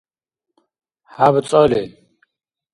хӀябцӀали